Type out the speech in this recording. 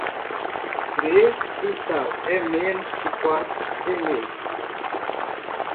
Três e tal é menos de quatro e meio.